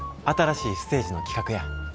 新しいステージの企画や。